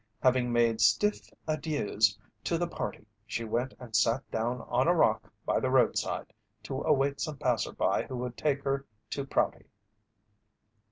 Having made stiff adieux to the party, she went and sat down on a rock by the roadside to await some passerby who would take her to Prouty.